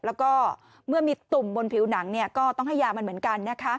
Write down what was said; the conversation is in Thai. แล้วก็เมื่อมีตุ่มบนผิวหนังก็ต้องให้ยามันเหมือนกันนะคะ